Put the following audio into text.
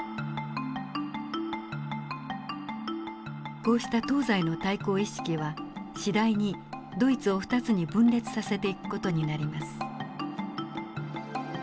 こうした東西の対抗意識は次第にドイツを２つに分裂させていく事になります。